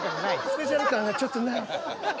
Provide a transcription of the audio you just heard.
スペシャル感がちょっとない。